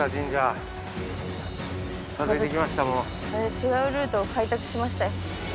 違うルートを開拓しましたよ。